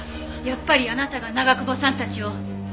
やっぱりあなたが長久保さんたちを。